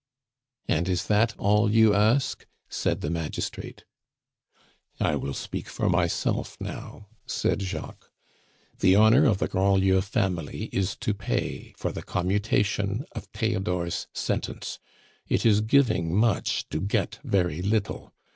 "And is that all you ask?" said the magistrate. "I will speak for myself now," said Jacques. "The honor of the Grandlieu family is to pay for the commutation of Theodore's sentence. It is giving much to get very little.